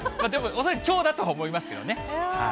でも恐らくきょうだとは思いますけどね。